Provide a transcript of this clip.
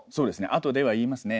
「あとで」は言いますね。